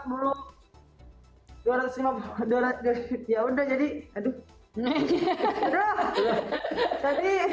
dua ratus lima puluh ya udah jadi aduh